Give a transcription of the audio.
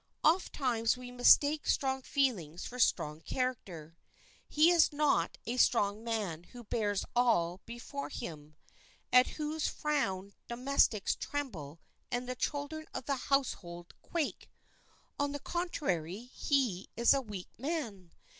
Ofttimes we mistake strong feelings for strong character. He is not a strong man who bears all before him, at whose frown domestics tremble and the children of the household quake; on the contrary, he is a weak man.